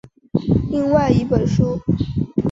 另外一本书。